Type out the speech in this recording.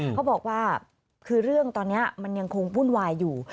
เขาบอกว่าคือเรื่องตอนนี้มันยังคงวุ่นวายอยู่